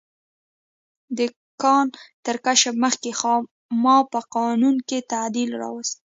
د کان تر کشف مخکې خاما په قانون کې تعدیل راوست.